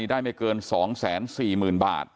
ได้ไม่เกิน๒แสน๔หมื่นบาท